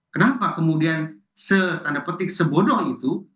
kenapa kemudian se sebodoh itu